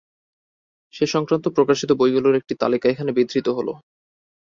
সে সংক্রান্ত প্রকাশিত বইগুলোর একটি তালিকা এখানে বিধৃত হলো।